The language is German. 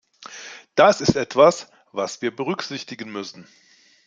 Das ist etwas, was wir berücksichtigen müssen.